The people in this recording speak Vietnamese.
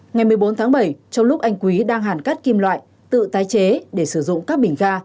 ngày một mươi bốn tháng bảy trong lúc anh quý đang hàn cắt kim loại tự tái chế để sử dụng các bình ga